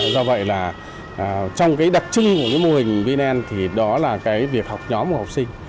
do vậy là trong đặc trưng của mô hình vnen thì đó là việc học nhóm học sinh